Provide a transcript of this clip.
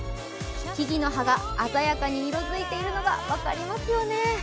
木々の葉が鮮やかに色づいているのが分かりますよね。